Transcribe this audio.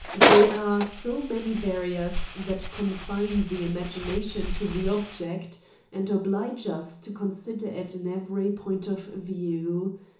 They are so many barriers that confine the imagination to the object, and oblige us to consider it in every point of view.